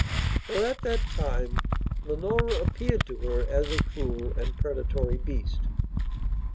For, at that time, Leonora appeared to her as a cruel and predatory beast.